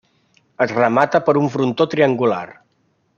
Es remata per un frontó triangular.